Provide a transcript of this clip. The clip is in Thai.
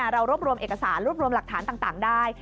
เรารวบรวมเอกสารรวบรวมหลักฐานต่างได้